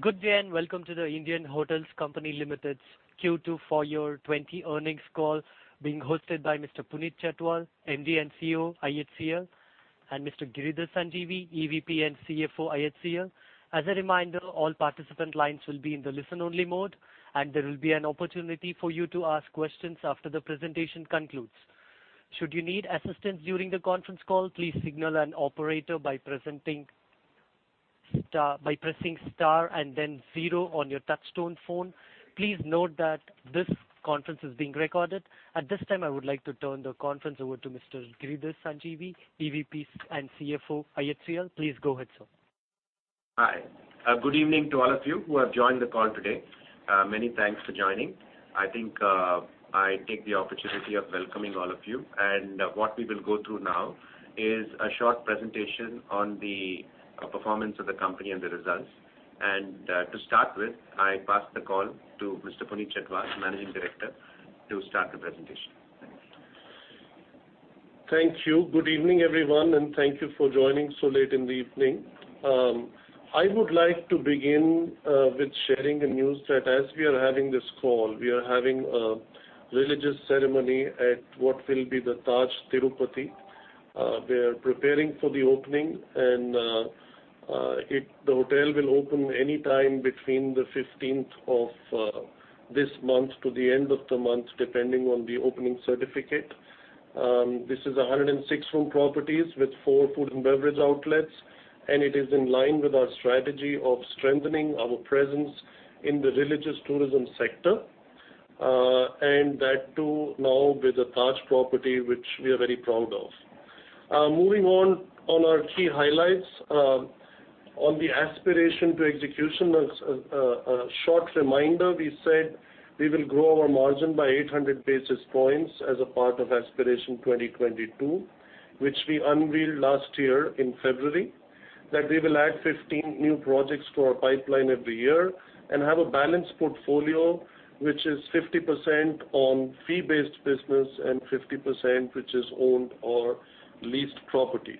Good day, and welcome to The Indian Hotels Company Limited's Q2 for FY20 earnings call being hosted by Mr. Puneet Chhatwal, MD & CEO, IHCL, and Mr. Giridhar Sanjeevi, EVP & CFO, IHCL. As a reminder, all participant lines will be in the listen only mode. There will be an opportunity for you to ask questions after the presentation concludes. Should you need assistance during the conference call, please signal an operator by pressing star and then zero on your touchtone phone. Please note that this conference is being recorded. At this time, I would like to turn the conference over to Mr. Giridhar Sanjeevi, EVP and CFO, IHCL. Please go ahead, sir. Hi. Good evening to all of you who have joined the call today. Many thanks for joining. I think I take the opportunity of welcoming all of you. What we will go through now is a short presentation on the performance of the company and the results. To start with, I pass the call to Mr. Puneet Chhatwal, Managing Director, to start the presentation. Thank you. Thank you. Good evening, everyone, and thank you for joining so late in the evening. I would like to begin with sharing a news that as we are having this call, we are having a religious ceremony at what will be the Taj Tirupati. We are preparing for the opening, and the hotel will open any time between the 15th of this month to the end of the month, depending on the opening certificate. This is 106 room properties with four food and beverage outlets, and it is in line with our strategy of strengthening our presence in the religious tourism sector. That too now with a Taj property, which we are very proud of. Moving on our key highlights. On the Aspiration to Execution, a short reminder, we said we will grow our margin by 800 basis points as a part of Aspiration 2022, which we unveiled last year in February, that we will add 15 new projects to our pipeline every year and have a balanced portfolio which is 50% on fee-based business and 50% which is owned or leased properties.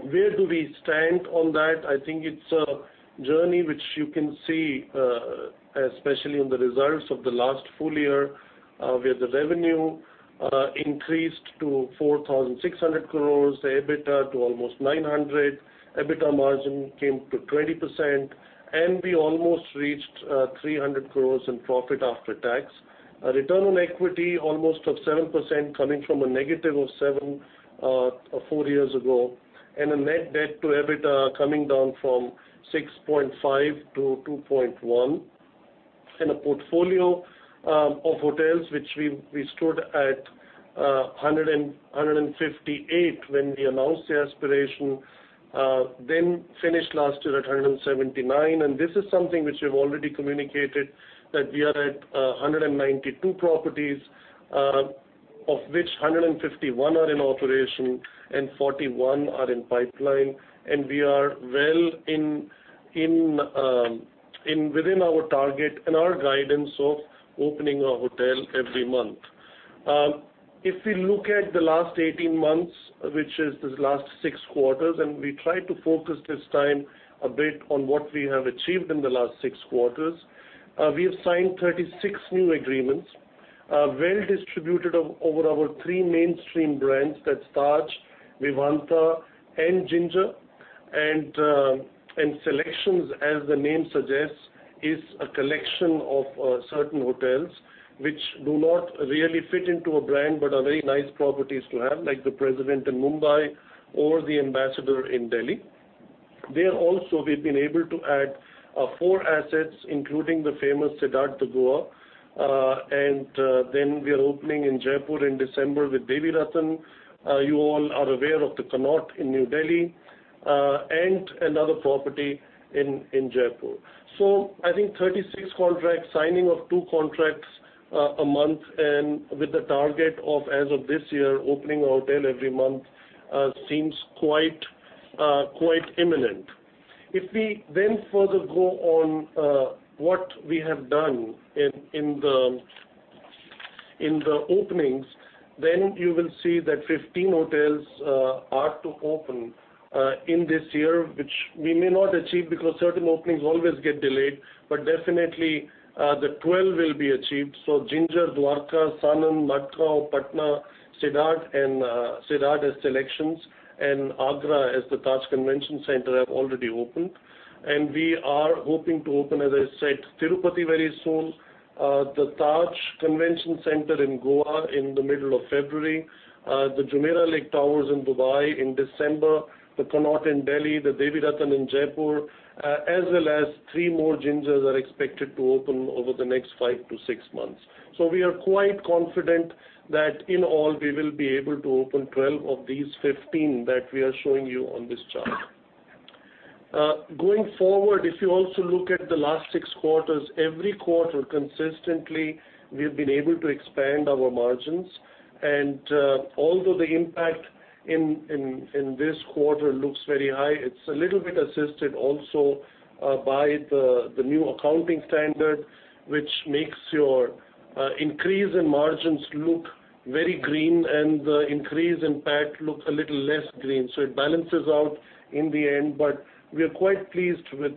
Where do we stand on that? I think it's a journey which you can see, especially in the results of the last full year, where the revenue increased to 4,600 crores, the EBITDA to almost 900, EBITDA margin came to 20%, and we almost reached 300 crores in profit after tax. A return on equity almost of 7% coming from a negative of seven, four years ago, and a net debt to EBITDA coming down from 6.5 to 2.1. A portfolio of hotels, which we stood at 158 when we announced the Aspiration, then finished last year at 179. This is something which we've already communicated, that we are at 192 properties, of which 151 are in operation and 41 are in pipeline. We are well within our target and our guidance of opening a hotel every month. If we look at the last 18 months, which is this last six quarters, and we try to focus this time a bit on what we have achieved in the last six quarters. We have signed 36 new agreements, well distributed over our three mainstream brands, that's Taj, Vivanta, and Ginger. SeleQtions, as the name suggests, is a collection of certain hotels which do not really fit into a brand but are very nice properties to have, like The President in Mumbai or The Ambassador in Delhi. There also, we've been able to add four assets, including the famous Siddharth in Goa, and then we are opening in Jaipur in December with Devi Ratn. You all are aware of The Connaught in New Delhi, and another property in Jaipur. I think 36 contracts, signing of two contracts a month, and with the target of, as of this year, opening a hotel every month, seems quite imminent. If we then further go on what we have done in the openings, then you will see that 15 hotels are to open in this year, which we may not achieve because certain openings always get delayed, but definitely the 12 will be achieved. Ginger Dwarka, Sanand, Madgaon, Patna, Siddharth as SeleQtions, and Agra as the Taj Convention Centre have already opened. We are hoping to open, as I said, Tirupati very soon, the Taj Convention Center in Goa in the middle of February, the Jumeirah Lake Towers in Dubai in December, the Connaught in Delhi, the Devi Ratn in Jaipur, as well as three more Gingers are expected to open over the next five to six months. We are quite confident that in all we will be able to open 12 of these 15 that we are showing you on this chart. Going forward, if you also look at the last six quarters, every quarter consistently, we've been able to expand our margins. Although the impact in this quarter looks very high, it's a little bit assisted also by the new accounting standard, which makes your increase in margins look very green and the increase in PAT look a little less green. It balances out in the end. We are quite pleased with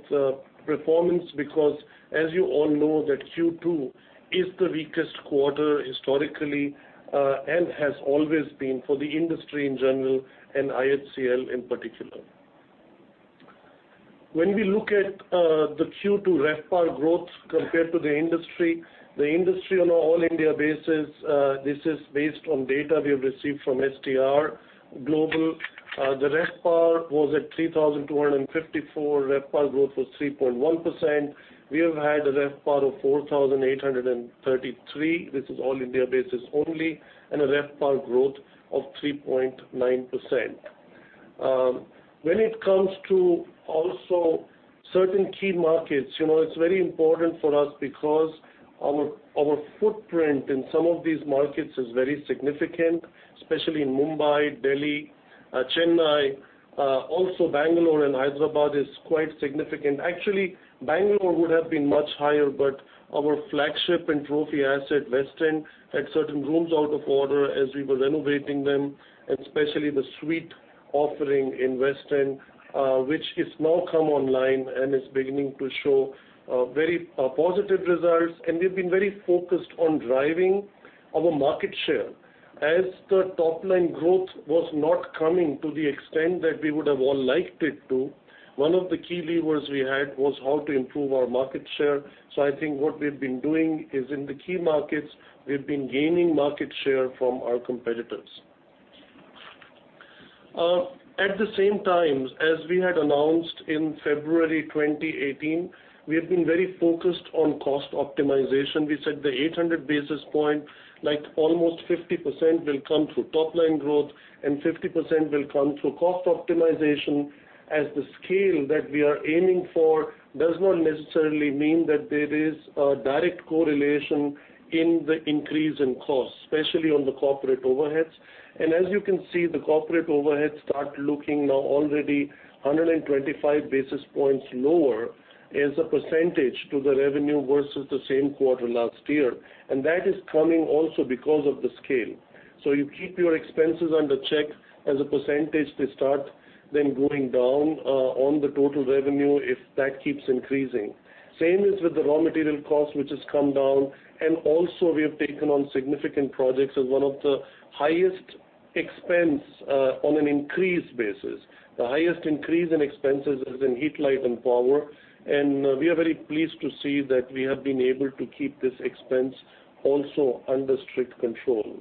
performance because as you all know that Q2 is the weakest quarter historically, and has always been for the industry in general and IHCL in particular. When we look at the Q2 RevPAR growth compared to the industry, the industry on an all-India basis, this is based on data we have received from STR Global. The RevPAR was at 3,254. RevPAR growth was 3.1%. We have had a RevPAR of 4,833, which is all-India basis only, and a RevPAR growth of 3.9%. When it comes to also certain key markets, it's very important for us because our footprint in some of these markets is very significant, especially in Mumbai, Delhi, Chennai. Also Bangalore and Hyderabad is quite significant. Actually, Bengaluru would have been much higher, but our flagship and trophy asset, Taj West End, had certain rooms out of order as we were renovating them, especially the suite offering in Taj West End, which is now come online and is beginning to show very positive results. We've been very focused on driving our market share. As the top-line growth was not coming to the extent that we would have all liked it to, one of the key levers we had was how to improve our market share. I think what we've been doing is in the key markets, we've been gaining market share from our competitors. At the same time, as we had announced in February 2018, we have been very focused on cost optimization. We said the 800 basis points, like almost 50%, will come through top-line growth and 50% will come through cost optimization, as the scale that we are aiming for does not necessarily mean that there is a direct correlation in the increase in cost, especially on the corporate overheads. As you can see, the corporate overheads start looking now already 125 basis points lower as a percentage to the revenue versus the same quarter last year. That is coming also because of the scale. You keep your expenses under check as a percentage, they start then going down on the total revenue if that keeps increasing. Same is with the raw material cost, which has come down. Also, we have taken on significant projects as one of the highest expense on an increase basis. The highest increase in expenses is in heat, light, and power. We are very pleased to see that we have been able to keep this expense also under strict control.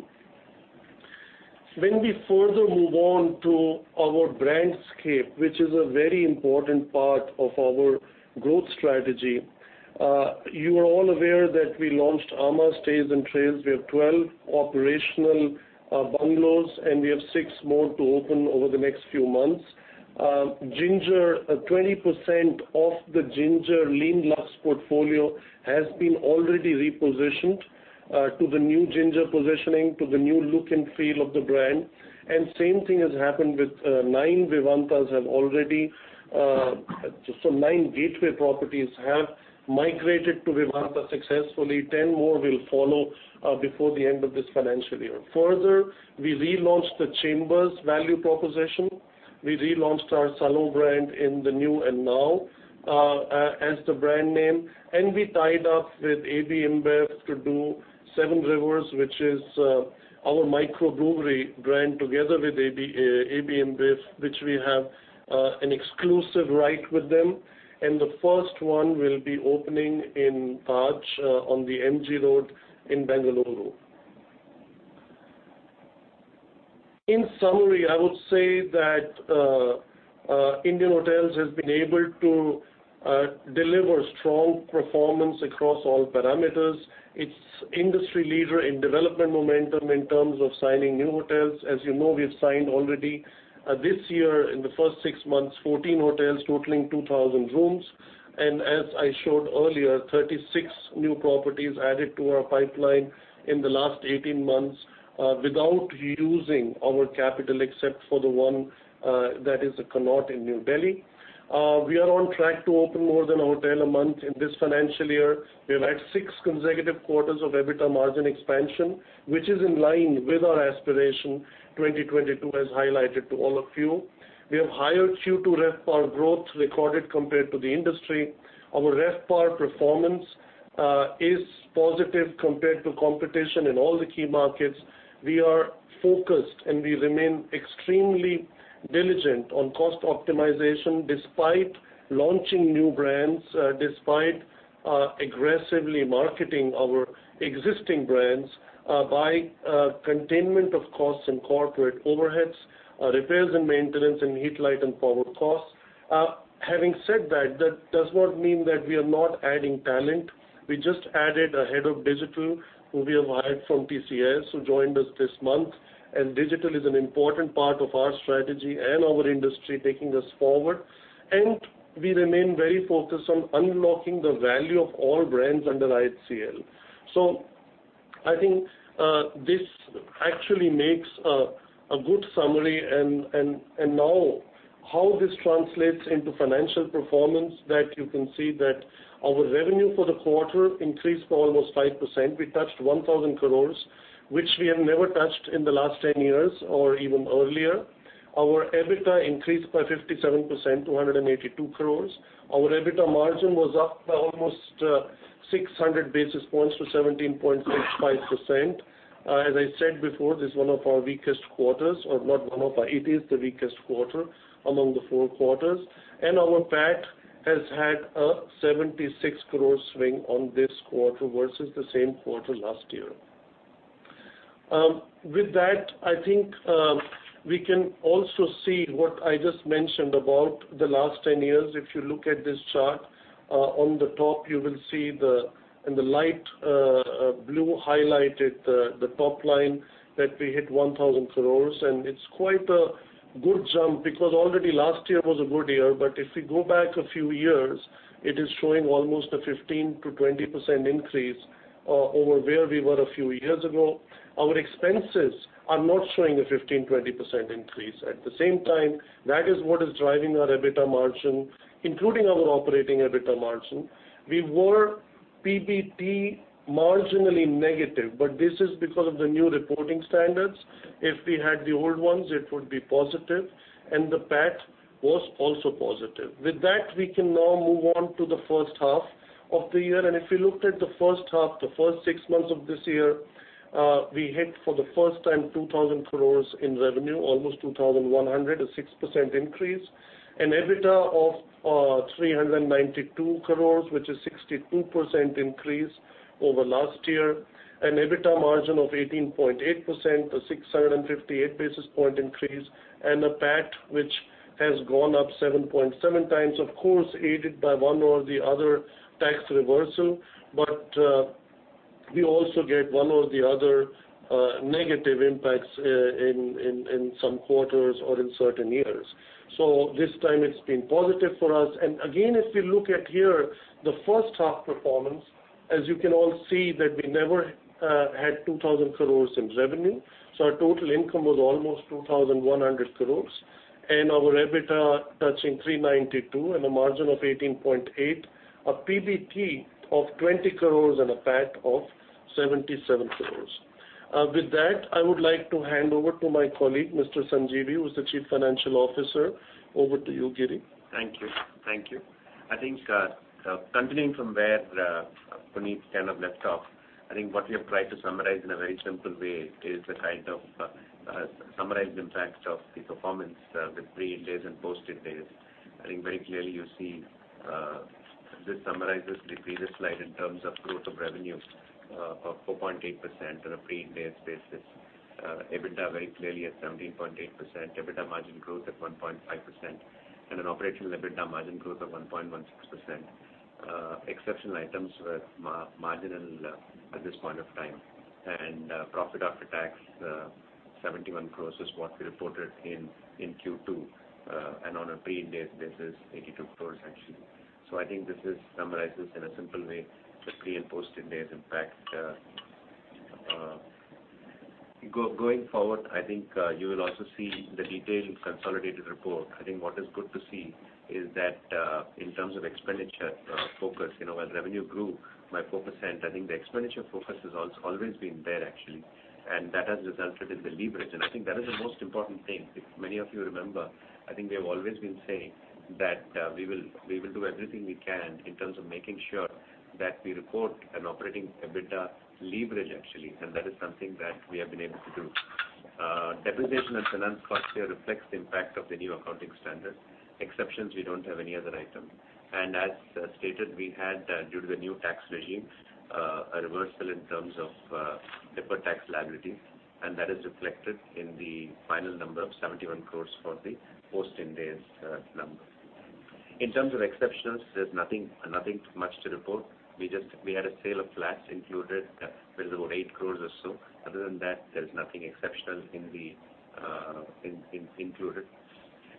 When we further move on to our brandscape, which is a very important part of our growth strategy, you are all aware that we launched amã Stays & Trails. We have 12 operational bungalows and we have six more to open over the next few months. 20% of the Ginger Lean Luxe portfolio has been already repositioned to the new Ginger positioning, to the new look and feel of the brand. Same thing has happened with nine Gateway properties have migrated to Vivanta successfully. 10 more will follow before the end of this financial year. Further, we relaunched The Chambers value proposition. We relaunched our salon brand in the new and now as the brand name. We tied up with AB InBev to do Seven Rivers, which is our microbrewery brand together with AB InBev, which we have an exclusive right with them. The first one will be opening in Taj on the MG Road in Bengaluru. In summary, I would say that Indian Hotels has been able to deliver strong performance across all parameters. It's industry leader in development momentum in terms of signing new hotels. As you know, we have signed already this year in the first six months, 14 hotels totaling 2,000 rooms. As I showed earlier, 36 new properties added to our pipeline in the last 18 months without using our capital except for the one that is at Connaught in New Delhi. We are on track to open more than a hotel a month in this financial year. We have had six consecutive quarters of EBITDA margin expansion, which is in line with our Aspiration 2022 as highlighted to all of you. We have higher Q2 RevPAR growth recorded compared to the industry. Our RevPAR performance is positive compared to competition in all the key markets. We are focused and we remain extremely diligent on cost optimization despite launching new brands, despite aggressively marketing our existing brands by containment of costs in corporate overheads, repairs and maintenance in heat, light, and power costs. Having said that does not mean that we are not adding talent. We just added a head of digital who we have hired from TCS, who joined us this month. Digital is an important part of our strategy and our industry taking us forward. We remain very focused on unlocking the value of all brands under IHCL. I think this actually makes a good summary and now how this translates into financial performance that you can see that our revenue for the quarter increased by almost 5%. We touched 1,000 crore, which we have never touched in the last 10 years or even earlier. Our EBITDA increased by 57%, to 182 crore. Our EBITDA margin was up by almost 600 basis points to 17.65%. As I said before, this is one of our weakest quarters, or not one of, it is the weakest quarter among the four quarters. Our PAT has had a 76 crore swing on this quarter versus the same quarter last year. With that, I think we can also see what I just mentioned about the last 10 years. If you look at this chart, on the top you will see in the light blue highlighted, the top line that we hit 1,000 crore. It's quite a good jump because already last year was a good year, but if we go back a few years, it is showing almost a 15%-20% increase, over where we were a few years ago. Our expenses are not showing a 15%-20% increase. At the same time, that is what is driving our EBITDA margin, including our operating EBITDA margin. We were PBT, marginally negative, this is because of the new reporting standards. If we had the old ones, it would be positive, the PAT was also positive. With that, we can now move on to the first half of the year. If we looked at the first half, the first six months of this year, we hit for the first time 2,000 crores in revenue, almost 2,100, a 6% increase. An EBITDA of 392 crores, which is 62% increase over last year, an EBITDA margin of 18.8%, a 658 basis point increase, and a PAT which has gone up 7.7 times. Of course, aided by one or the other tax reversal. We also get one or the other negative impacts in some quarters or in certain years. This time it's been positive for us. Again, if we look at here, the first half performance, as you can all see that we never had 2,000 crores in revenue. Our total income was almost 2,100 crores, and our EBITDA touching 392 and a margin of 18.8%, a PBT of 20 crores and a PAT of 77 crores. With that, I would like to hand over to my colleague, Mr. Sanjeevi, who's the Chief Financial Officer. Over to you, Giri. Thank you. I think, continuing from where Puneet kind of left off, I think what we have tried to summarize in a very simple way is the kind of summarized impact of the performance with pre-Ind AS and post-Ind AS. I think very clearly you see, this summarizes the previous slide in terms of growth of revenues of 4.8% on a pre-Ind AS basis. EBITDA very clearly at 17.8%, EBITDA margin growth at 1.5%, and an operational EBITDA margin growth of 1.16%. Exceptional items were marginal at this point of time. Profit after tax, 71 crores is what we reported in Q2. On a pre-Ind AS basis, 82 crores actually. I think this summarizes in a simple way the pre and post-Ind AS impact. Going forward, I think you will also see the detailed consolidated report. I think what is good to see is that, in terms of expenditure focus, as revenue grew by 4%, I think the expenditure focus has always been there actually. That has resulted in the leverage. I think that is the most important thing. If many of you remember, I think we have always been saying that we will do everything we can in terms of making sure that we report an operating EBITDA leverage actually. That is something that we have been able to do. Depreciation and finance cost here reflects the impact of the new accounting standard. Exceptions, we don't have any other item. As stated, we had, due to the new tax regime, a reversal in terms of deferred tax liability, and that is reflected in the final number of 71 crores for the post-Ind AS number. In terms of exceptionals, there's nothing much to report. We had a sale of flats included. That is about 8 crores or so. Other than that, there's nothing exceptional included.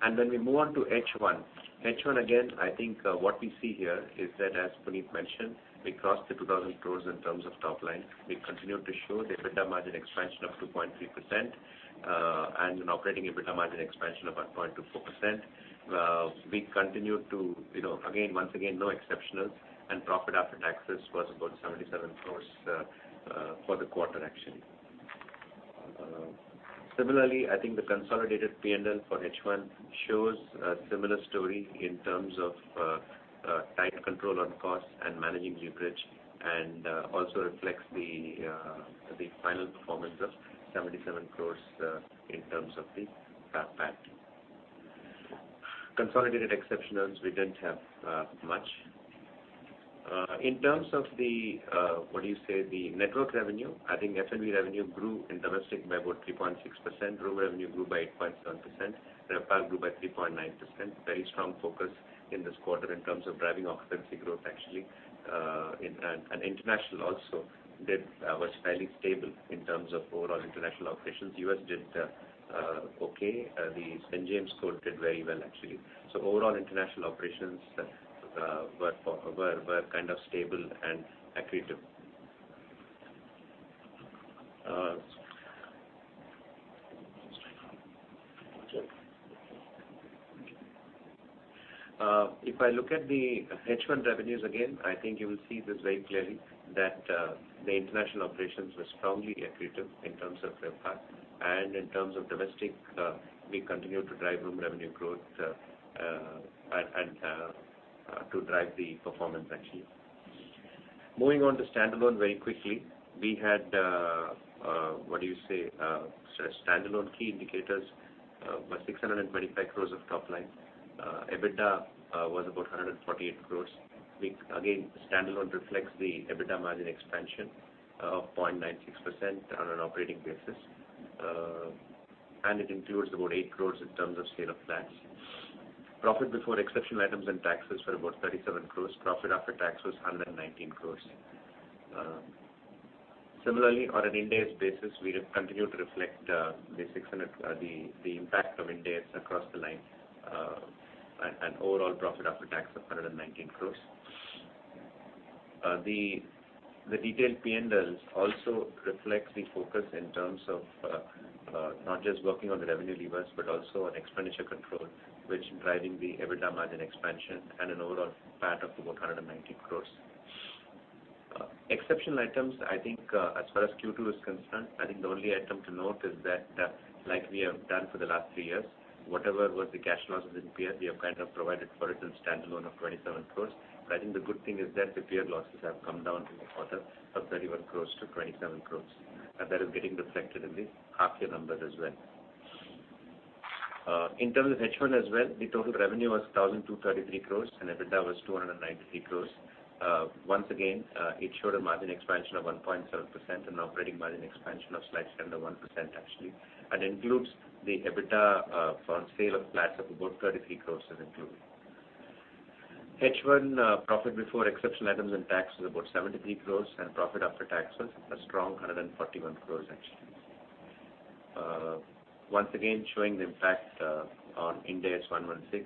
When we move on to H1. H1, again, I think what we see here is that as Puneet mentioned, we crossed the 2,000 crores in terms of top line. We continued to show the EBITDA margin expansion of 2.3%, and an operating EBITDA margin expansion of 1.24%. Once again, no exceptionals and profit after taxes was about 77 crores for the quarter actually. Similarly, I think the consolidated P&L for H1 shows a similar story in terms of tight control on costs and managing leverage, and also reflects the final performance of 77 crores, in terms of the PAT. Consolidated exceptionals, we didn't have much. In terms of the network revenue, I think F&B revenue grew in domestic by about 3.6%. Room revenue grew by 8.7%. RevPAR grew by 3.9%. Very strong focus in this quarter in terms of driving occupancy growth, actually. International also was fairly stable in terms of overall international operations. U.S. did okay. The St. James' Court did very well, actually. Overall international operations were kind of stable and accretive. Okay. If I look at the H1 revenues again, I think you will see this very clearly that the international operations were strongly accretive in terms of RevPAR. In terms of domestic, we continue to drive room revenue growth and to drive the performance actually. Moving on to standalone very quickly. Standalone key indicators were 625 crores of top line. EBITDA was about 148 crores. Standalone reflects the EBITDA margin expansion of 0.96% on an operating basis. It includes about 8 crores in terms of sale of flats. Profit before exceptional items and taxes were about 37 crores. Profit after tax was 119 crores. Similarly, on an Ind AS basis, we continue to reflect the impact of Ind AS across the line, and overall profit after tax of 119 crores. The detailed P&Ls also reflect the focus in terms of not just working on the revenue levers but also on expenditure control, which driving the EBITDA margin expansion and an overall PAT of about 119 crores. Exceptional items, I think as far as Q2 is concerned, I think the only item to note is that like we have done for the last three years, whatever was the cash losses in the Piem, we have kind of provided for it in standalone of 27 crores. I think the good thing is that the Piem losses have come down in the quarter from 31 crores to 27 crores. That is getting reflected in the half year numbers as well. In terms of H1 as well, the total revenue was 1,233 crores and EBITDA was 293 crores. Once again, it showed a margin expansion of 1.7% and operating margin expansion of slightly under 1%, actually. Includes the EBITDA from sale of flats of about 33 crores is included. H1 profit before exceptional items and tax was about 73 crores, and profit after tax was a strong 141 crores actually. Once again, showing the impact on Ind AS 116,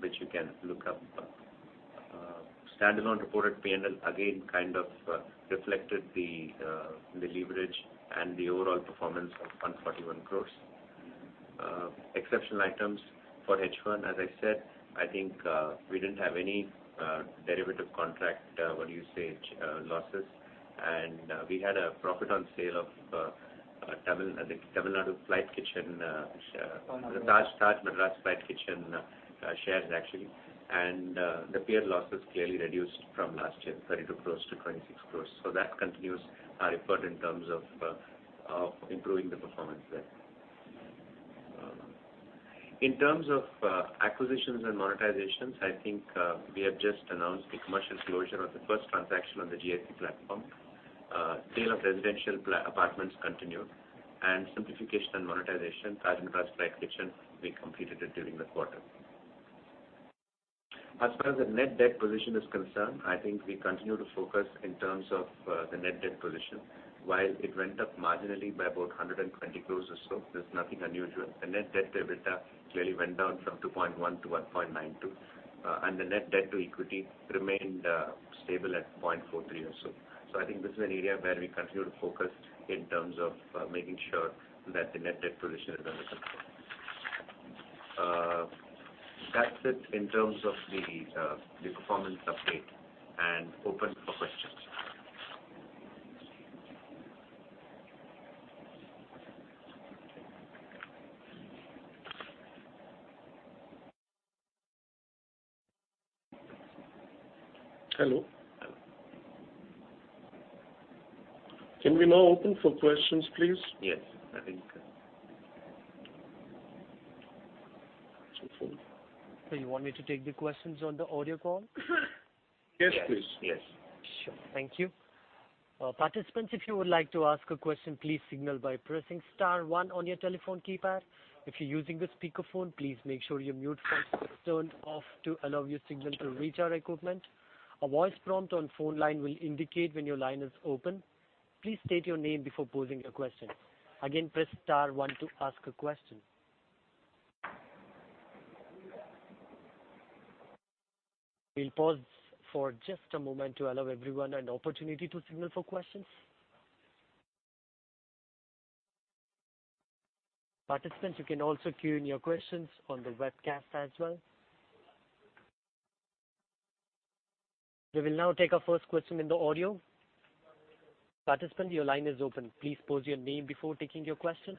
which you can look up. Standalone reported P&L again kind of reflected the leverage and the overall performance of 141 crores. Exceptional items for H1, as I said, I think we didn't have any derivative contract losses. We had a profit on sale of Taj Madras Flight Kitchen shares actually. The Pierre losses clearly reduced from last year, 32 crores to 26 crores. That continues our effort in terms of improving the performance there. In terms of acquisitions and monetizations, I think we have just announced the commercial closure of the first transaction on the GIC platform. Sale of residential apartments continued, and simplification and monetization, Taj Madras Flight Kitchen, we completed it during the quarter. As far as the net debt position is concerned, I think we continue to focus in terms of the net debt position. While it went up marginally by about 120 crore or so, there's nothing unusual. The net debt to EBITDA clearly went down from 2.1 to 1.92. The net debt to equity remained stable at 0.43 or so. I think this is an area where we continue to focus in terms of making sure that the net debt position is under control. That's it in terms of the performance update, and open for questions. Hello. Hello. Can we now open for questions, please? Yes, I think we can. Sir, you want me to take the questions on the audio call? Yes, please. Yes. Sure. Thank you. Participants, if you would like to ask a question, please signal by pressing star one on your telephone keypad. If you're using a speakerphone, please make sure your mute function is turned off to allow your signal to reach our equipment. A voice prompt on phone line will indicate when your line is open. Please state your name before posing your question. Again, press star one to ask a question. We'll pause for just a moment to allow everyone an opportunity to signal for questions. Participants, you can also queue in your questions on the webcast as well. We will now take our first question in the audio. Participant, your line is open. Please pose your name before taking your question.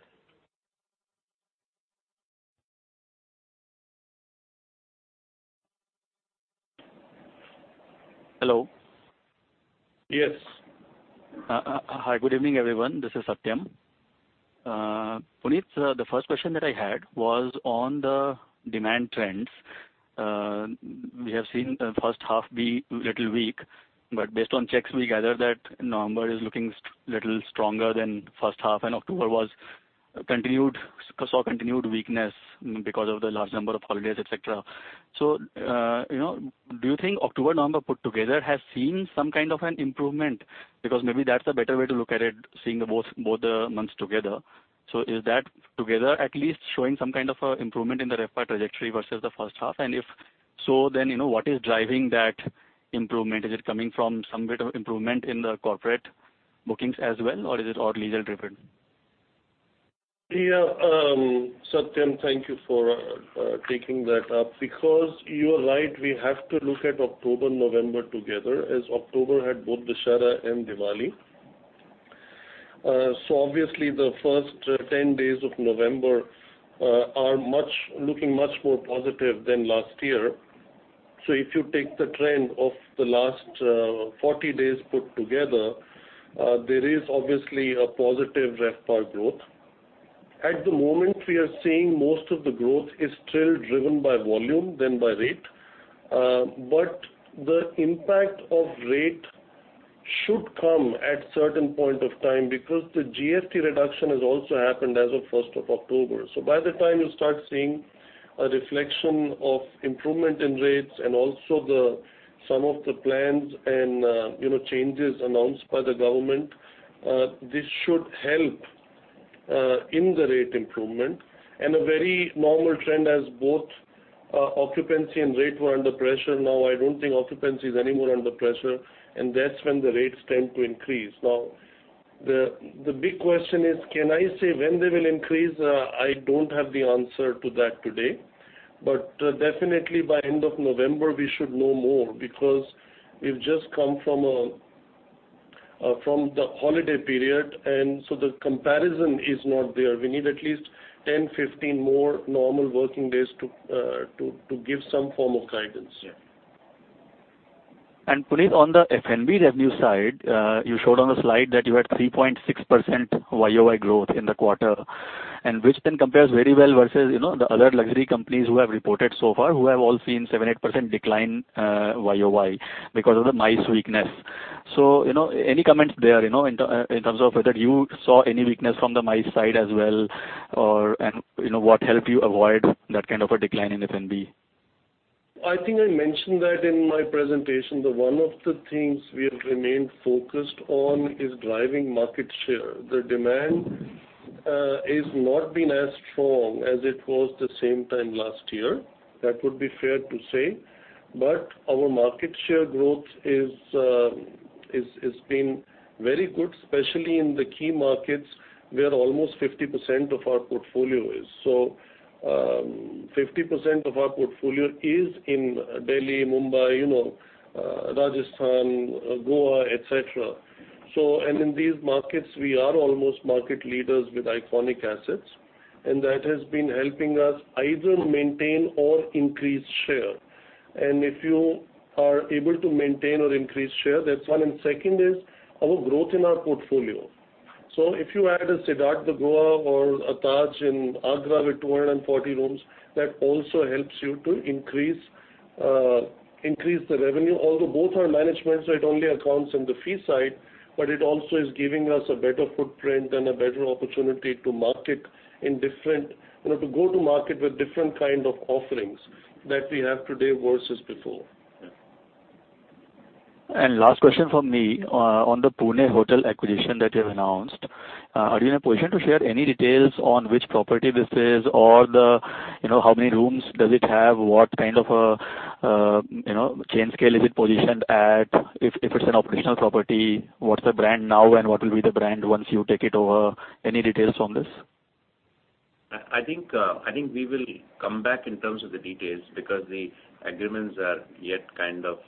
Hello. Yes. Hi, good evening, everyone. This is Satyam. Puneet, the first question that I had was on the demand trends. We have seen the first half be little weak, but based on checks, we gather that November is looking little stronger than first half, and October we saw continued weakness because of the large number of holidays, et cetera. Do you think October, November put together has seen some kind of an improvement? Because maybe that's a better way to look at it, seeing both the months together. Is that together at least showing some kind of an improvement in the RevPAR trajectory versus the first half? If so, what is driving that improvement? Is it coming from some bit of improvement in the corporate bookings as well, or is it all leisure driven? Satyam, thank you for taking that up, because you are right, we have to look at October, November together, as October had both Dussehra and Diwali. Obviously the first 10 days of November are looking much more positive than last year. If you take the trend of the last 40 days put together, there is obviously a positive RevPAR growth. At the moment, we are seeing most of the growth is still driven by volume than by rate. The impact of rate should come at certain point of time because the GST reduction has also happened as of 1st of October. By the time you start seeing a reflection of improvement in rates and also some of the plans and changes announced by the government, this should help in the rate improvement. A very normal trend as both occupancy and rate were under pressure. I don't think occupancy is any more under pressure, and that's when the rates tend to increase. The big question is, can I say when they will increase? I don't have the answer to that today. Definitely by end of November, we should know more because we've just come from the holiday period, and so the comparison is not there. We need at least 10, 15 more normal working days to give some form of guidance. Yeah. Puneet, on the F&B revenue side, you showed on the slide that you had 3.6% YOY growth in the quarter. Which then compares very well versus the other luxury companies who have reported so far, who have all seen 7%, 8% decline YOY because of the MICE weakness. Any comments there, in terms of whether you saw any weakness from the MICE side as well, and what helped you avoid that kind of a decline in F&B? I think I mentioned that in my presentation, that one of the things we have remained focused on is driving market share. The demand is not been as strong as it was the same time last year. That would be fair to say. Our market share growth has been very good, especially in the key markets where almost 50% of our portfolio is. 50% of our portfolio is in Delhi, Mumbai, Rajasthan, Goa, et cetera. In these markets, we are almost market leaders with iconic assets, and that has been helping us either maintain or increase share. If you are able to maintain or increase share, that's one. Second is our growth in our portfolio. If you add a Siddharth, the Goa or a Taj in Agra with 240 rooms, that also helps you to increase the revenue. Although both are management, so it only accounts on the fee side, but it also is giving us a better footprint and a better opportunity to go to market with different kind of offerings that we have today versus before. Yeah. Last question from me. On the Pune hotel acquisition that you have announced, are you in a position to share any details on which property this is or how many rooms does it have? What kind of a chain scale is it positioned at? If it's an operational property, what's the brand now and what will be the brand once you take it over? Any details on this? I think we will come back in terms of the details because the agreements are yet kind of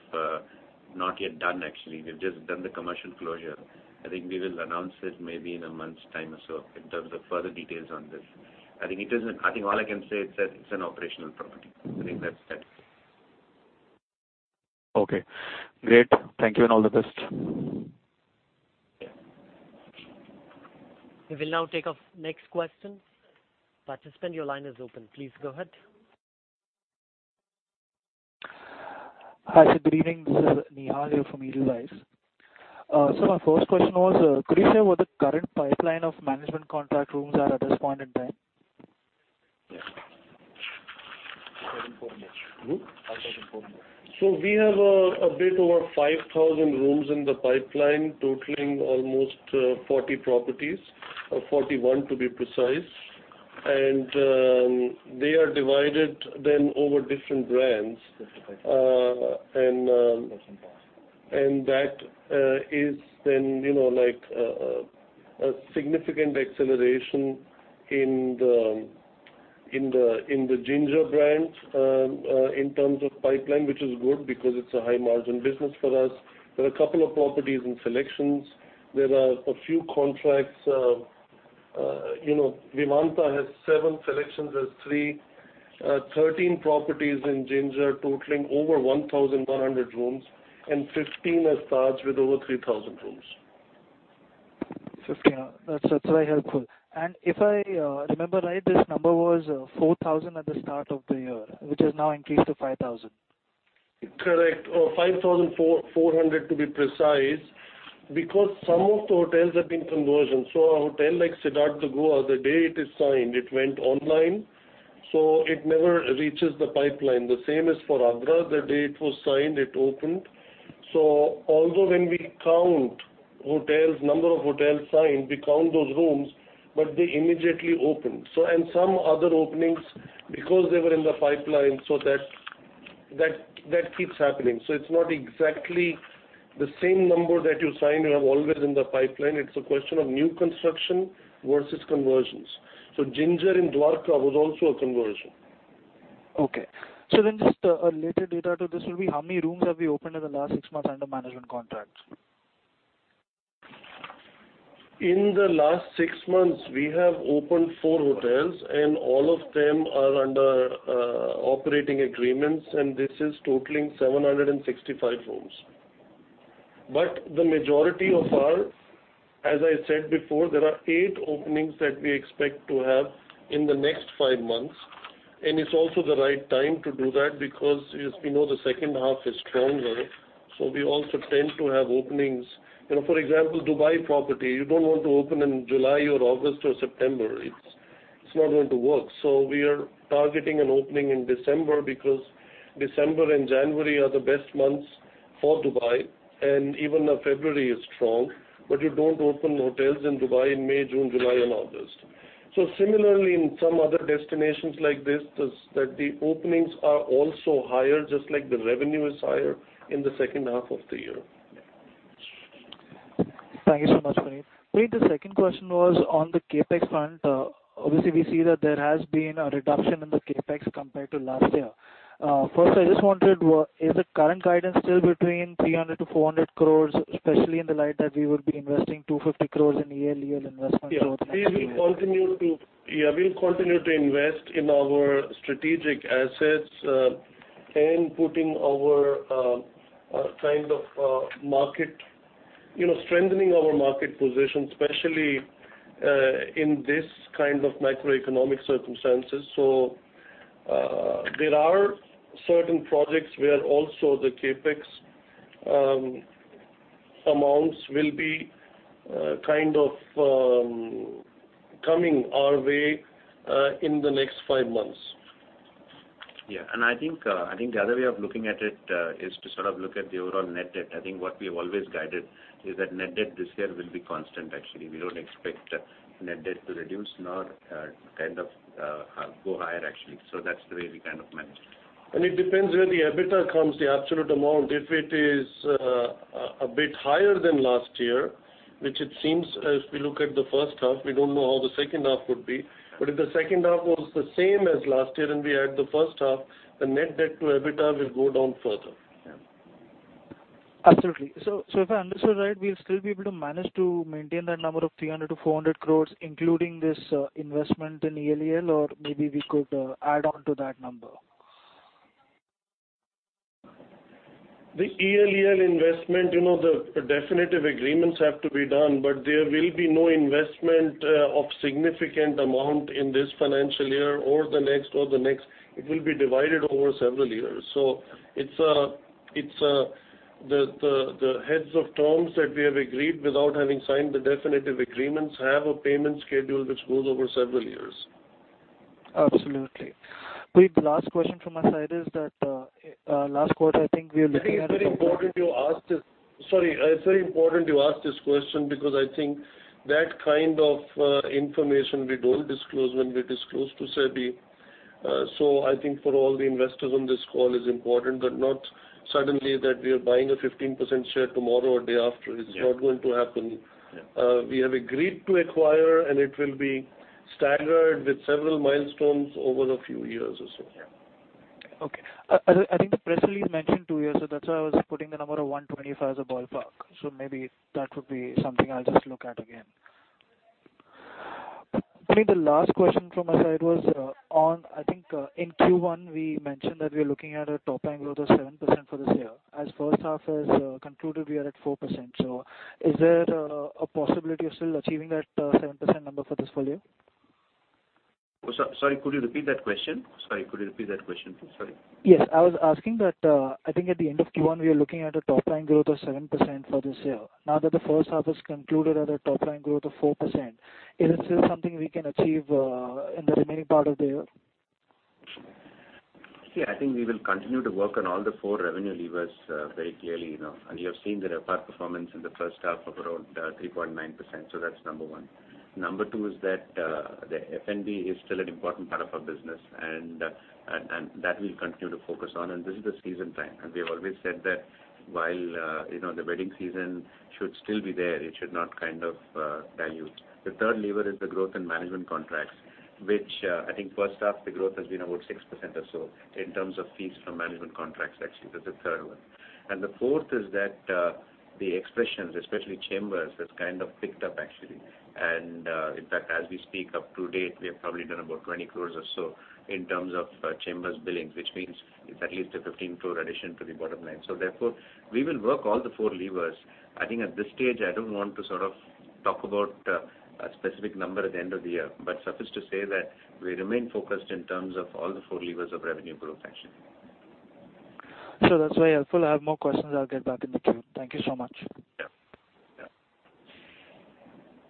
not yet done actually. We've just done the commercial closure. I think we will announce it maybe in a month's time or so in terms of further details on this. I think all I can say it's that it's an operational property. I think that's that. Okay, great. Thank you and all the best. Yeah. We will now take our next question. Participant, your line is open. Please go ahead. Hi, sir. Good evening. This is Nihal here from Edelweiss. My first question was, could you say what the current pipeline of management contract rooms are at this point in time? Yeah. We have a bit over 5,000 rooms in the pipeline, totaling almost 40 properties, or 41 to be precise. They are divided then over different brands. That is then like a significant acceleration in the Ginger brand, in terms of pipeline, which is good because it's a high margin business for us. There are a couple of properties in SeleQtions. There are a few contracts. Vivanta has seven, SeleQtions has three, 13 properties in Ginger totaling over 1,100 rooms, and 15 as Taj with over 3,000 rooms. That's very helpful. If I remember right, this number was 4,000 at the start of the year, which has now increased to 5,000. Correct, or 5,400 to be precise, because some of the hotels have been conversion. A hotel like Siddharth, the Goa, the day it is signed, it went online, so it never reaches the pipeline. The same as for Agra. The day it was signed, it opened. Although when we count number of hotels signed, we count those rooms, but they immediately open. Some other openings because they were in the pipeline, so that keeps happening. It is not exactly the same number that you sign you have always in the pipeline. It is a question of new construction versus conversions. Ginger in Dwarka was also a conversion. Okay. Just a related data to this will be, how many rooms have we opened in the last six months under management contracts? In the last six months, we have opened four hotels, and all of them are under operating agreements, and this is totaling 765 rooms. The majority of our, as I said before, there are eight openings that we expect to have in the next five months, and it's also the right time to do that because as we know, the second half is stronger. We also tend to have openings. For example, Dubai property, you don't want to open in July or August or September. It's not going to work. We are targeting an opening in December because December and January are the best months for Dubai. Even now February is strong. You don't open hotels in Dubai in May, June, July, and August. Similarly, in some other destinations like this, the openings are also higher, just like the revenue is higher in the second half of the year. Thank you so much, Puneet. Puneet, the second question was on the CapEx front. Obviously, we see that there has been a reduction in the CapEx compared to last year. First, I just wondered, is the current guidance still between 300 crore-400 crore, especially in the light that we would be investing 250 crore in ELEL investment over the next year? Yes. We'll continue to invest in our strategic assets and strengthening our market position, especially in this kind of macroeconomic circumstances. There are certain projects where also the CapEx amounts will be coming our way in the next five months. Yes. I think the other way of looking at it is to look at the overall net debt. I think what we've always guided is that net debt this year will be constant, actually. We don't expect net debt to reduce, nor go higher, actually. That's the way we manage it. It depends where the EBITDA comes, the absolute amount. If it is a bit higher than last year, which it seems as we look at the first half, we don't know how the second half would be. If the second half was the same as last year and we add the first half, the net debt to EBITDA will go down further. Yes. Absolutely. If I understood right, we'll still be able to manage to maintain that number of 300-400 crores, including this investment in ELEL, or maybe we could add on to that number? The ELEL investment, the definitive agreements have to be done. There will be no investment of significant amount in this financial year or the next, or the next. It will be divided over several years. The heads of terms that we have agreed without having signed the definitive agreements have a payment schedule which goes over several years. Absolutely. Puneet, the last question from my side is that last quarter, I think we were looking at. I think it's very important you ask this question because I think that kind of information we don't disclose when we disclose to SEBI. I think for all the investors on this call it is important, but not suddenly that we are buying a 15% share tomorrow or day after. It's not going to happen. Yes. We have agreed to acquire, and it will be staggered with several milestones over a few years or so. Yes. Okay. I think the press release mentioned 2 years, that's why I was putting the number of 125 as a ballpark. Maybe that would be something I'll just look at again. Puneet, the last question from my side was on, I think, in Q1, we mentioned that we're looking at a top-line growth of 7% for this year. As first half has concluded, we are at 4%. Is there a possibility of still achieving that 7% number for this full year? Sorry, could you repeat that question? Sorry. Yes. I was asking that, I think at the end of Q1, we are looking at a top-line growth of 7% for this year. Now that the first half is concluded at a top-line growth of 4%, is this still something we can achieve in the remaining part of the year? Yeah, I think we will continue to work on all the four revenue levers very clearly. We have seen the RevPAR performance in the first half of around 3.9%, so that's number one. Number two is that the F&B is still an important part of our business, and that we'll continue to focus on, and this is the season time. We have always said that while the wedding season should still be there, it should not kind of dilute. The third lever is the growth in management contracts, which I think first half the growth has been about 6% or so in terms of fees from management contracts, actually. That's the third one. The fourth is that the Expressions, especially Chambers, has picked up, actually. In fact, as we speak up to date, we have probably done about 20 crore or so in terms of Chambers billings, which means it's at least an 15 crore addition to the bottom line. Therefore, we will work all the four levers. I think at this stage, I don't want to talk about a specific number at the end of the year, but suffice to say that we remain focused in terms of all the four levers of revenue growth, actually. Sir, that's very helpful. I have more questions. I'll get back in the queue. Thank you so much. Yes.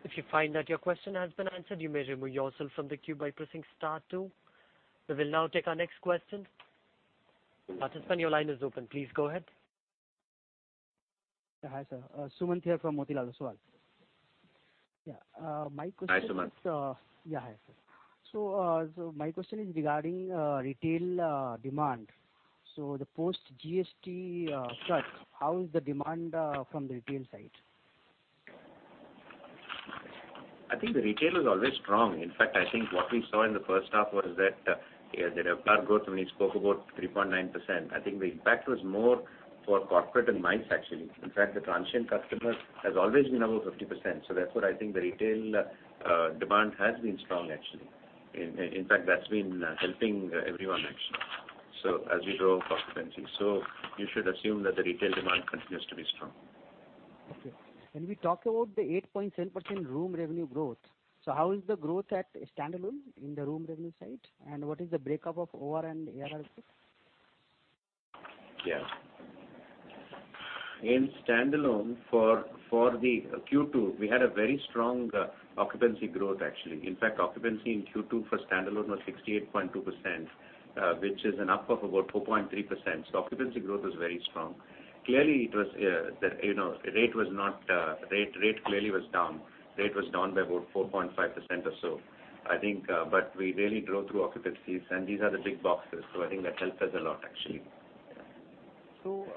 If you find that your question has been answered, you may remove yourself from the queue by pressing star two. We will now take our next question. Participant, your line is open. Please go ahead. Hi, sir. Sumanth here from Motilal Oswal. Yeah. My question- Hi, Sumanth. Yeah. Hi. My question is regarding retail demand. The post GST cut, how is the demand from the retail side? I think the retail is always strong. I think what we saw in the first half was that the RevPAR growth, when we spoke about 3.9%, I think the impact was more for corporate and MICE, actually. The transient customer has always been above 50%. Therefore, I think the retail demand has been strong, actually. That's been helping everyone, actually, as we grow occupancy. You should assume that the retail demand continues to be strong. Okay. When we talk about the 8.7% room revenue growth, so how is the growth at standalone in the room revenue side, and what is the breakup of OCC and ARR? Yeah. In standalone for the Q2, we had a very strong occupancy growth, actually. In fact, occupancy in Q2 for standalone was 68.2%, which is an up of about 4.3%. Occupancy growth was very strong. Rate clearly was down. Rate was down by about 4.5% or so. We really drove through occupancies, and these are the big boxes, I think that helped us a lot, actually. So-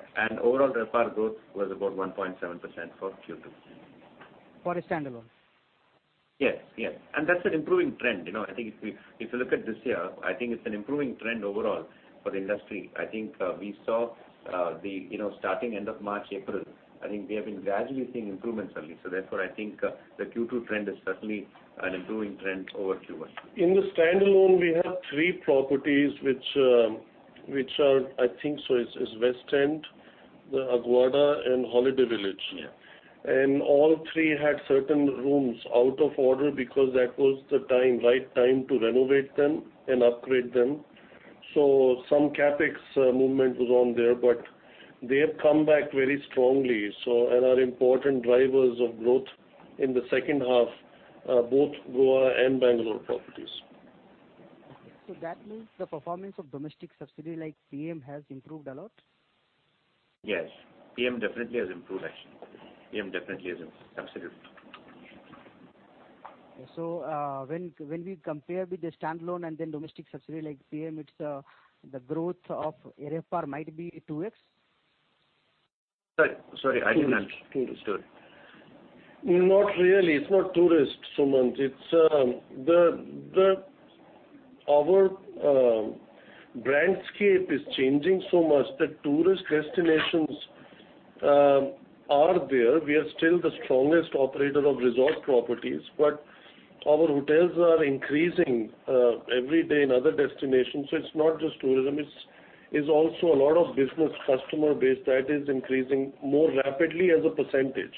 Overall RevPAR growth was about 1.7% for Q2. For a standalone. Yes. That's an improving trend. If you look at this year, I think it's an improving trend overall for the industry. I think we saw the starting end of March, April, I think we have been gradually seeing improvements only. Therefore, I think the Q2 trend is certainly an improving trend over Q1. In the standalone, we have three properties, which are, I think so, it's West End, the Aguada, and Holiday Village. Yeah. All three had certain rooms out of order because that was the right time to renovate them and upgrade them. Some CapEx movement was on there, but they have come back very strongly, and are important drivers of growth in the second half, both Goa and Bengaluru properties. Okay. That means the performance of domestic subsidiary like Piem has improved a lot? Yes. PM definitely has improved, actually. PM definitely has improved substantially. When we compare with the standalone and then domestic subsidiary like Piem, the growth of RevPAR might be 2X? Sorry. Not really. It's not tourist, Sumanth. Our brandscape is changing so much. The tourist destinations are there. We are still the strongest operator of resort properties, but our hotels are increasing every day in other destinations. It's not just tourism, it's also a lot of business customer base that is increasing more rapidly as a percentage.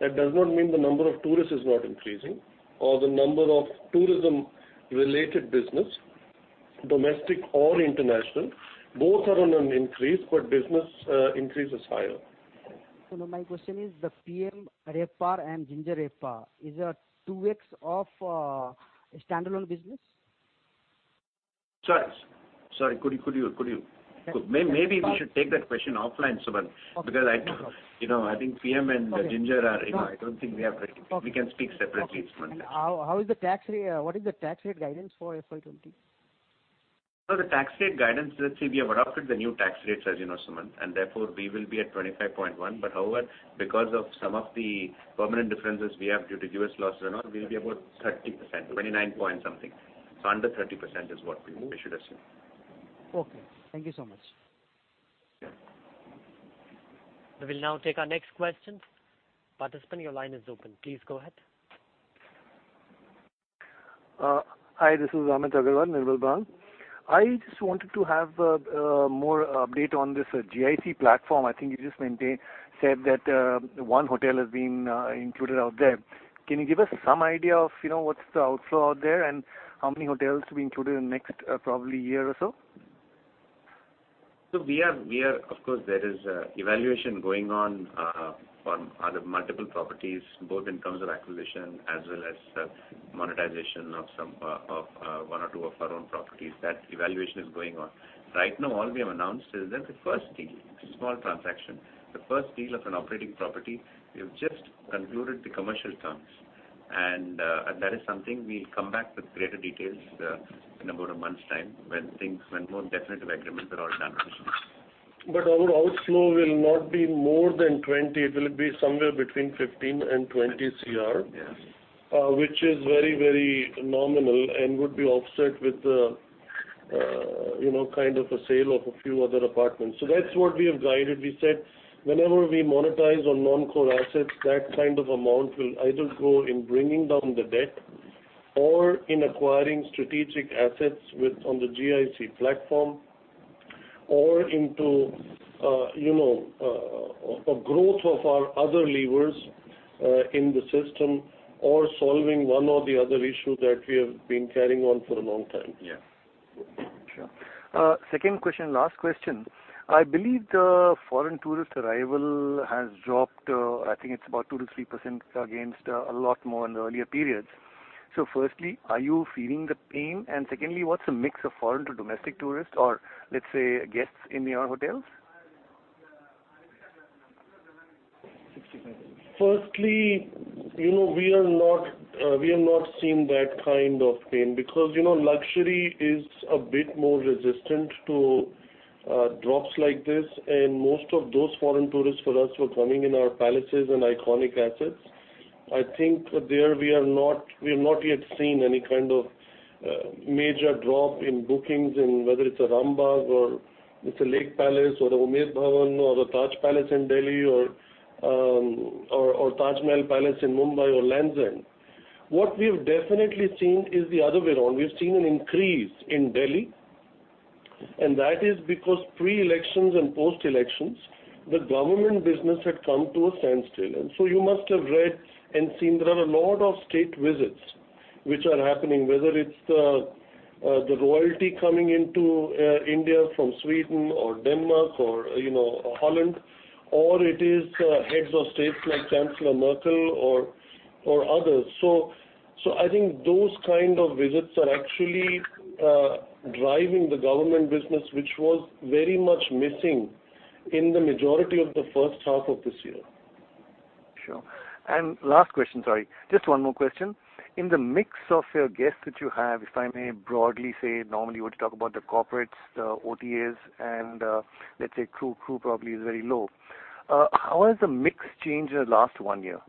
That does not mean the number of tourists is not increasing, or the number of tourism-related business, domestic or international, both are on an increase, but business increase is higher. No, my question is the Piem RevPAR and Ginger RevPAR is a 2X of standalone business? Sorry. Maybe we should take that question offline, Sumanth. Okay. No problem. I think Piem Hotels and Ginger, we can speak separately offline. Okay. What is the tax rate guidance for FY20? The tax rate guidance, let's see, we have adopted the new tax rates, as you know, Sumanth. Therefore, we will be at 25.1. However, because of some of the permanent differences we have due to U.S. laws and all, we'll be about 30%, 29 point something. Under 30% is what we should assume. Okay. Thank you so much. Yeah. We will now take our next question. Participant, your line is open. Please go ahead. Hi, this is Amit Agarwal, Nirmal Bang. I just wanted to have more update on this GIC platform. I think you just said that one hotel is being included out there. Can you give us some idea of what's the outflow out there, and how many hotels to be included in next probably year or so? Of course, there is evaluation going on on other multiple properties, both in terms of acquisition as well as monetization of one or two of our own properties. That evaluation is going on. Right now, all we have announced is that the first deal, small transaction, the first deal of an operating property, we have just concluded the commercial terms, and that is something we'll come back with greater details in about a month's time when more definitive agreements are all done. Our outflow will not be more than 20 CR, it will be somewhere between 15 CR and 20 CR. Yes. Which is very nominal and would be offset with the sale of a few other apartments. That's what we have guided. We said, whenever we monetize on non-core assets, that kind of amount will either go in bringing down the debt or in acquiring strategic assets on the GIC platform or into a growth of our other levers in the system or solving one or the other issue that we have been carrying on for a long time. Yeah. Sure. Second question, last question. I believe the foreign tourist arrival has dropped, I think it's about 2% to 3% against a lot more in the earlier periods. Firstly, are you feeling the pain? Secondly, what's the mix of foreign to domestic tourists or let's say, guests in your hotels? Firstly, we have not seen that kind of pain because luxury is a bit more resistant to drops like this, and most of those foreign tourists for us were coming in our palaces and iconic assets. I think there we have not yet seen any kind of major drop in bookings, whether it's a Rambagh or it's a Lake Palace or the Umaid Bhawan or the Taj Palace in Delhi or Taj Mahal Palace in Mumbai or Lands End. What we've definitely seen is the other way around. We've seen an increase in Delhi, and that is because pre-elections and post-elections, the government business had come to a standstill. You must have read and seen there are a lot of state visits which are happening, whether it's the royalty coming into India from Sweden or Denmark or Holland, or it is heads of states like Chancellor Merkel or others. I think those kind of visits are actually driving the government business, which was very much missing in the majority of the first half of this year. Sure. Last question, sorry, just one more question. In the mix of your guests that you have, if I may broadly say, normally you were to talk about the corporates, the OTAs and let's say crew probably is very low. How has the mix changed in the last one year?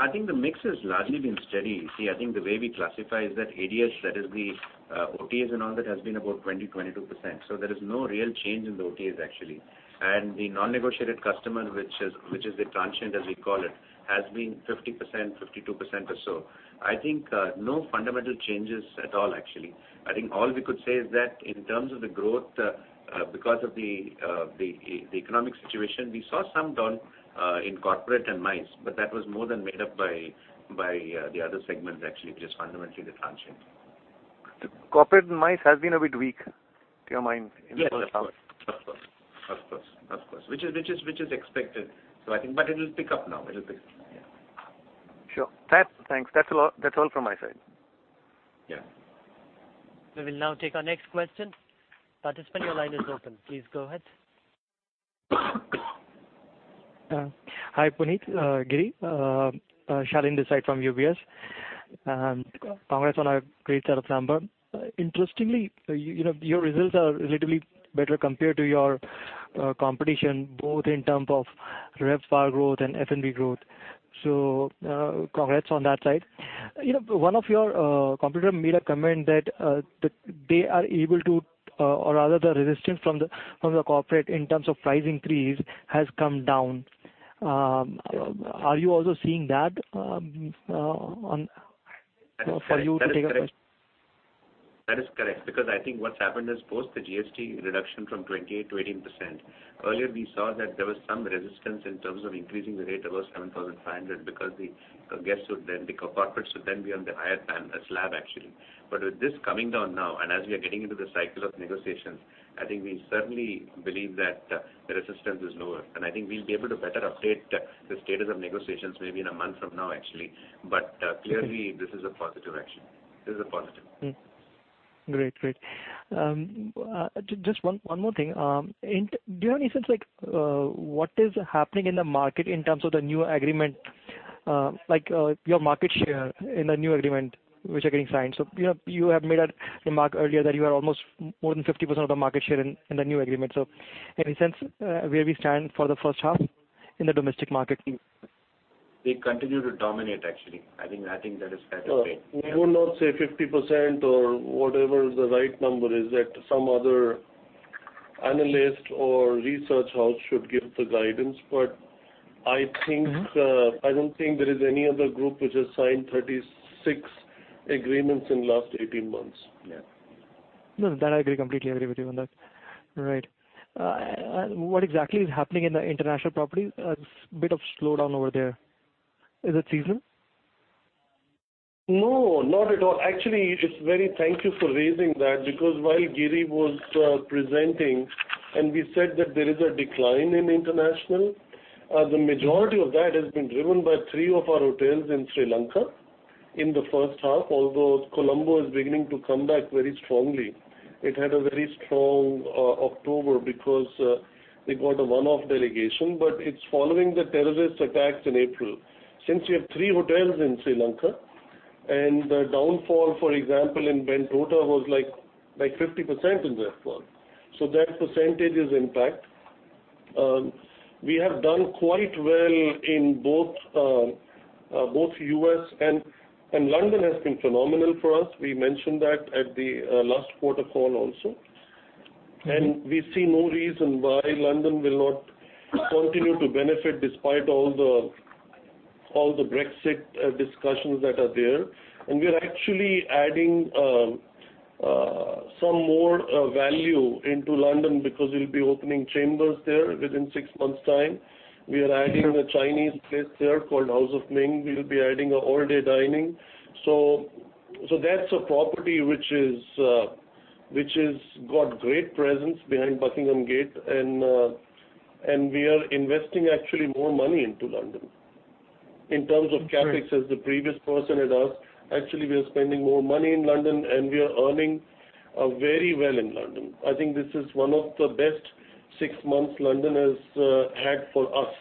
I think the mix has largely been steady. I think the way we classify is that ADH, that is the OTAs and all that, has been about 20%-22%. There is no real change in the OTAs actually. The non-negotiated customer, which is the transient, as we call it, has been 50%, 52% or so. I think no fundamental changes at all, actually. I think all we could say is that in terms of the growth, because of the economic situation, we saw some down in corporate and MICE, but that was more than made up by the other segments actually, which is fundamentally the transient. The corporate and MICE has been a bit weak to your mind in the first half? Yes, of course. Which is expected. It will pick up now. Sure. Thanks. That's all from my side. Yeah. We will now take our next question. Participant, your line is open. Please go ahead. Hi, Puneet, Giri. Shalin Desai from UBS. Congrats on a great set of number. Interestingly, your results are relatively better compared to your competition, both in terms of RevPAR growth and F&B growth. Congrats on that side. One of your competitor made a comment that they are able to, or rather the resistance from the corporate in terms of price increase has come down. Are you also seeing that for you to take a- That is correct, because I think what's happened is both the GST reduction from 28% to 18%. Earlier we saw that there was some resistance in terms of increasing the rate above 7,500 because the corporates would then be on the higher slab actually. With this coming down now and as we are getting into the cycle of negotiations, I think we certainly believe that the resistance is lower. I think we'll be able to better update the status of negotiations maybe in a month from now actually. Clearly this is a positive actually. This is a positive. Great. Just one more thing. Do you have any sense like what is happening in the market in terms of the new agreement, like your market share in the new agreement which are getting signed? You have made a remark earlier that you are almost more than 50% of the market share in the new agreement. Any sense where we stand for the first half in the domestic market? We continue to dominate, actually. I think that is fair to say. We would not say 50% or whatever the right number is that some other analyst or research house should give the guidance. I don't think there is any other group which has signed 36 agreements in the last 18 months. Yeah. No, that I agree completely, I agree with you on that. Right. What exactly is happening in the international properties? A bit of slowdown over there. Is it seasonal? No, not at all. Actually, thank you for raising that, because while Giri was presenting and we said that there is a decline in international, the majority of that has been driven by three of our hotels in Sri Lanka in the first half. Although Colombo is beginning to come back very strongly. It had a very strong October because they got a one-off delegation. It's following the terrorist attacks in April. Since you have three hotels in Sri Lanka, and the downfall, for example, in Bentota was like 50% in that fall. That percentage is impact. We have done quite well in both U.S., and London has been phenomenal for us. We mentioned that at the last quarter call also. We see no reason why London will not continue to benefit despite all the Brexit discussions that are there. We are actually adding some more value into London because we'll be opening The Chambers there within six months time. We are adding a Chinese place there called House of Ming. We will be adding an all-day dining. That's a property which has got great presence behind Buckingham Gate, and we are investing actually more money into London. In terms of CapEx as the previous person had asked, actually, we are spending more money in London and we are earning very well in London. I think this is one of the best six months London has had for us.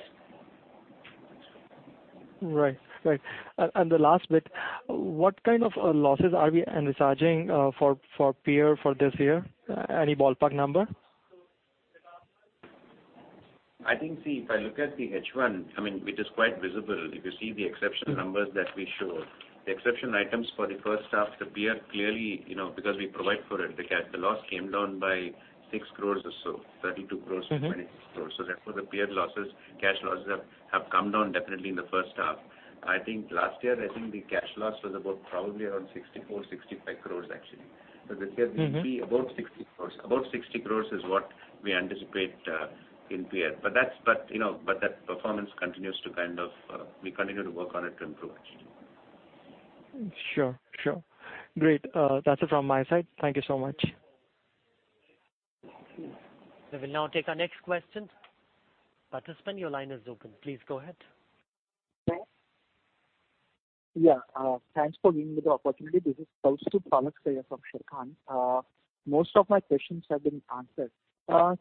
Right. The last bit, what kind of losses are we envisaging for Pierre for this year? Any ballpark number? I think, if I look at the H1, which is quite visible, if you see the exceptional numbers that we show, the exceptional items for the first half, The Pierre clearly, because we provide for it, the loss came down by 6 crores or so, 32 crores from 26 crores. Therefore, The Pierre losses, cash losses, have come down definitely in the first half. I think last year, I think the cash loss was probably around 64 crores, 65 crores actually. This year it will be about 60 crores. About 60 crores is what we anticipate in The Pierre. We continue to work on it to improve, actually. Sure. Great. That's it from my side. Thank you so much. We will now take our next question. Participant, your line is open. Please go ahead. Yeah. Thanks for giving me the opportunity. This is Palshuth Palaksaiya from Sharekhan. Most of my questions have been answered. Sir,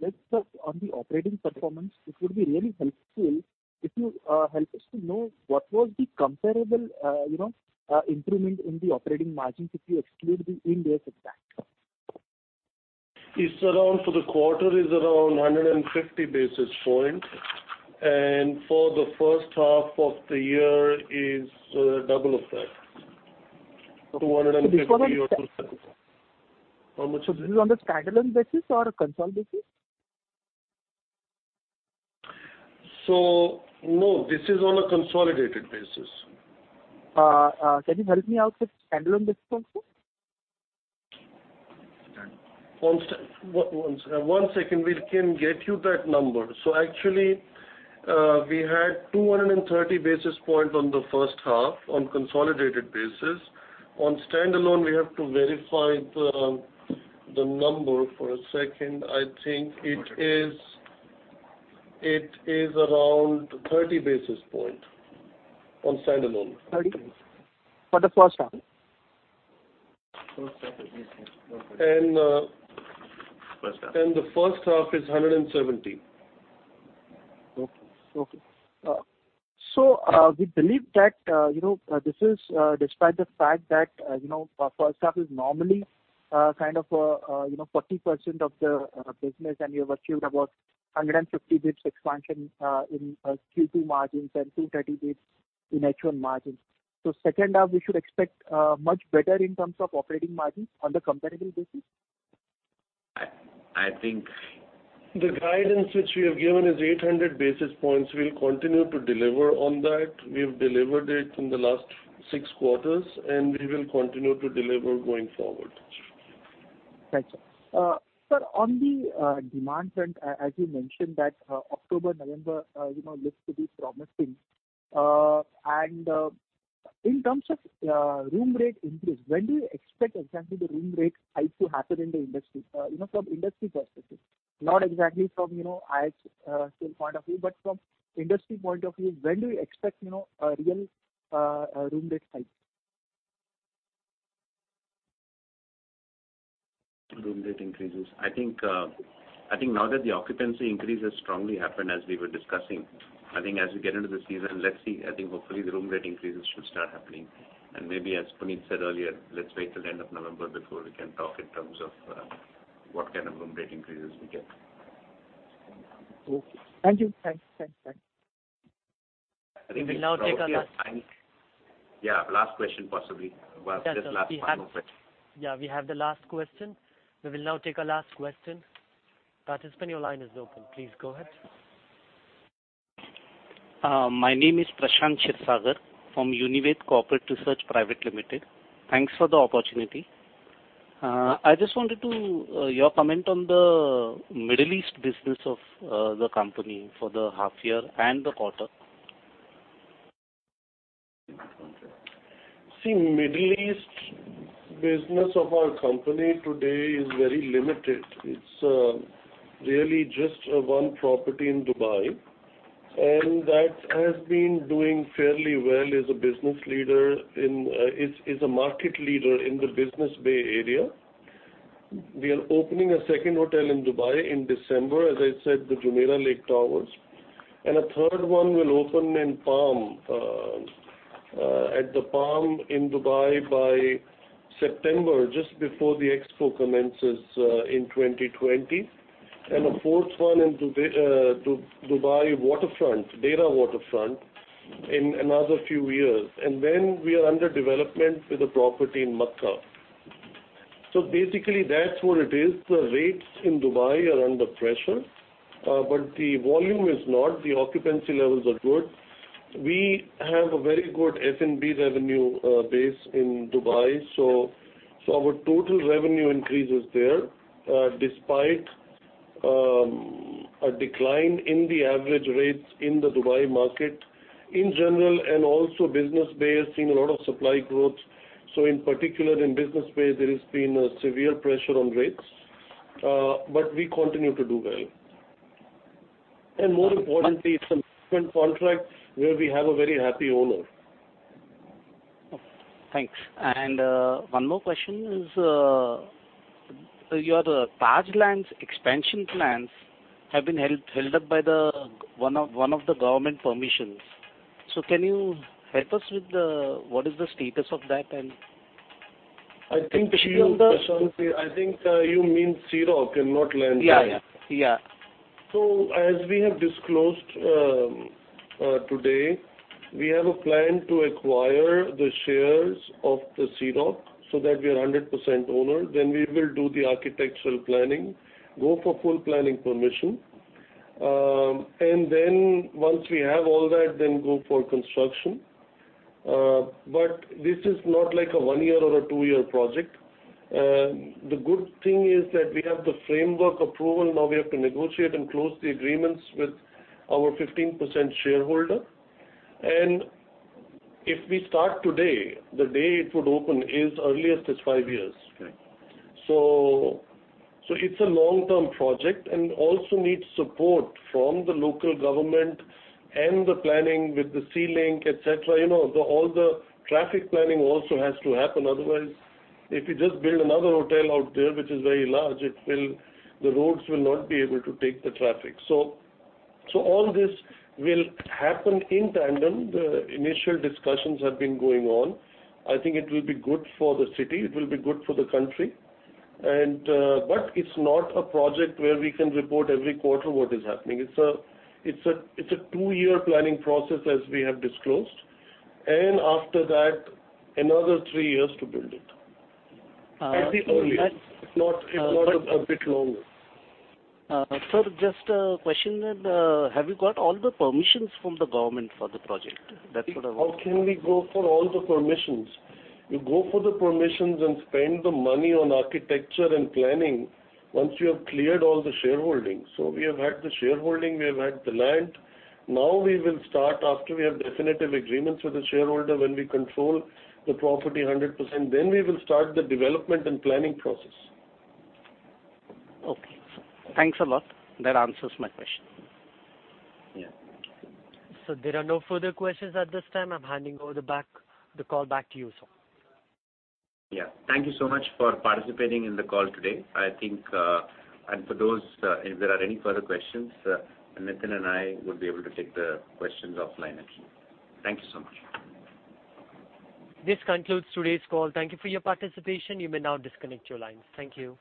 just on the operating performance, it would be really helpful if you help us to know what was the comparable improvement in the operating margins if you exclude the Indian subcontinent. For the quarter is around 150 basis points, and for the first half of the year is double of that, 250 or so. This is on a standalone basis or a consolidated basis? No, this is on a consolidated basis. Can you help me out with standalone basis also? One second. We can get you that number. Actually, we had 230 basis points on the first half on consolidated basis. On standalone, we have to verify the number for a second. I think it is around 30 basis points on standalone. 30? For the first half? First half is 30. The first half is 170. Okay. We believe that this is despite the fact that first half is normally 40% of the business and you have achieved about 150 basis points expansion in Q2 margins and 230 basis points in H1 margins. Second half, we should expect much better in terms of operating margins on the comparable basis? I think- The guidance which we have given is 800 basis points. We'll continue to deliver on that. We've delivered it in the last six quarters, and we will continue to deliver going forward. Thanks, sir. Sir, on the demand front, as you mentioned that October, November looks to be promising. In terms of room rate increase, when do you expect exactly the room rate hike to happen in the industry? From industry perspective, not exactly from IHCL point of view, but from industry point of view, when do you expect a real room rate hike? Room rate increases. I think now that the occupancy increase has strongly happened as we were discussing, I think as we get into the season, let's see. I think hopefully the room rate increases should start happening. Maybe as Puneet said earlier, let's wait till the end of November before we can talk in terms of what kind of room rate increases we get. Okay. Thank you. Thanks. We will now take our last. Yeah, last question, possibly. Well, this last one was it. Yeah, we have the last question. We will now take our last question. Participant, your line is open. Please go ahead. My name is Prashant Shirsagar from UniCredit Corporate Research Private Limited. Thanks for the opportunity. I just wanted your comment on the Middle East business of the company for the half year and the quarter. Middle East business of our company today is very limited. It's really just one property in Dubai, and that has been doing fairly well as a business leader and is a market leader in the Business Bay area. We are opening a second hotel in Dubai in December, as I said, the Jumeirah Lake Towers. A third one will open at the Palm in Dubai by September, just before the Expo commences in 2020. A fourth one in Dubai Waterfront, Deira Waterfront, in another few years. We are under development with a property in Mecca. That's what it is. The rates in Dubai are under pressure, but the volume is not. The occupancy levels are good. We have a very good F&B revenue base in Dubai. Our total revenue increase is there, despite a decline in the average rates in the Dubai market in general, and also Business Bay has seen a lot of supply growth. In particular, in Business Bay, there has been a severe pressure on rates. We continue to do well. More importantly, some current contracts where we have a very happy owner. Okay, thanks. One more question is, your Taj Lands expansion plans have been held up by one of the government permissions. Can you help us with what is the status of that? I think you, Prashant, I think you mean Sea Rock. Yeah. As we have disclosed today, we have a plan to acquire the shares of the Sea Rock so that we are 100% owner. We will do the architectural planning, go for full planning permission. Once we have all that, then go for construction. This is not like a one-year or a two-year project. The good thing is that we have the framework approval. We have to negotiate and close the agreements with our 15% shareholder. If we start today, the day it would open is earliest is five years. Right. It's a long-term project, and also needs support from the local government and the planning with the Sea Link, et cetera. All the traffic planning also has to happen, otherwise, if you just build another hotel out there, which is very large, the roads will not be able to take the traffic. All this will happen in tandem. The initial discussions have been going on. I think it will be good for the city, it will be good for the country. It's not a project where we can report every quarter what is happening. It's a two-year planning process, as we have disclosed. After that, another three years to build it. At the earliest. It's not a bit longer. Sir, just a question then, have you got all the permissions from the government for the project? How can we go for all the permissions? You go for the permissions and spend the money on architecture and planning once you have cleared all the shareholding. We have had the shareholding, we have had the land. We will start after we have definitive agreements with the shareholder, when we control the property 100%. We will start the development and planning process. Okay. Thanks a lot. That answers my question. Yeah. Sir, there are no further questions at this time. I'm handing over the call back to you, sir. Yeah. Thank you so much for participating in the call today. For those, if there are any further questions, Nitin and I would be able to take the questions offline actually. Thank you so much. This concludes today's call. Thank you for your participation. You may now disconnect your lines. Thank you.